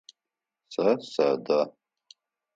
Сэ сэдэ.